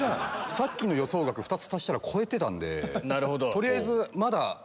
さっきの予想額２つ足したら超えてたんで取りあえずまだ。